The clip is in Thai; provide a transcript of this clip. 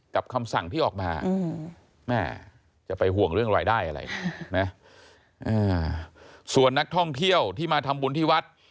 คำสั่งที่ออกมาแม่จะไปห่วงเรื่องรายได้อะไรนะส่วนนักท่องเที่ยวที่มาทำบุญที่วัด